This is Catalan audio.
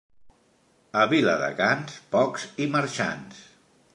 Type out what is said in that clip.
A Viladecans, pocs i marxants.